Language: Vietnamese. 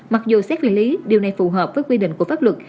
mặc dù xét xử lý điều này phù hợp với quy định của pháp luật